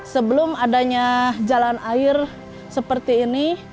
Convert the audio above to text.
sebelum adanya jalan air seperti ini